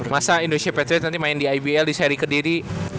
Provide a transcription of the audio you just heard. masa indonesia patriot nanti main di ibl di seri kediri